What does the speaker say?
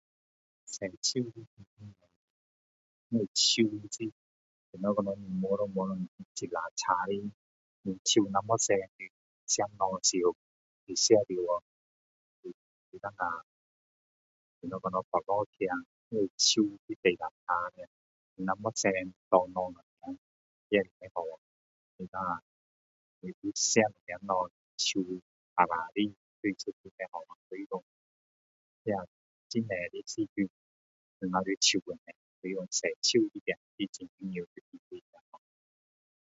洗手因为手是怎样说咯摸隆摸隆很肮脏的你手若没洗吃东西时你吃进去等一下怎样说咯肚子痛因为手是最肮脏的啊你若没洗拿东西什么也是不好等一下吃什么东西手肮脏的就是不好所以说那很多细菌都在手那边所以说洗手一定也是很重要的